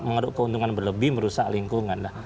mengeruk keuntungan berlebih merusak lingkungan